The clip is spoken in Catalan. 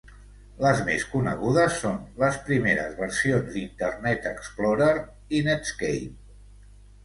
Les més conegudes són les primeres versions d'Internet Explorer i Netscape.